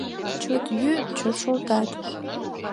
Чот йӱыт, чот шолтат.